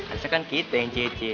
asalkan kita yang cecek